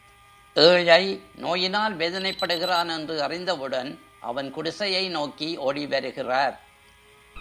ஏழை நோயினால் வேதனைப்படுகிறான் என்று அறிந்தவுடன், அவன் குடிசையை நோக்கி ஓடி வருகிறார்.